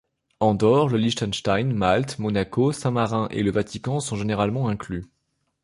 Andorre, le Liechtenstein, Malte, Monaco, Saint-Marin et le Vatican sont généralement inclus.